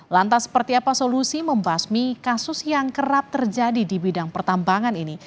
lantas seperti apa solusi membasmi kasus yang kerap terjadi di bidang pertambangan ini